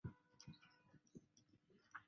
勒图雷。